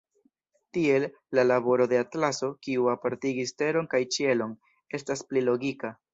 Tiel, la laboro de Atlaso, kiu apartigis Teron kaj Ĉielon, estas pli logika.